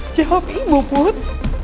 jawab ibu put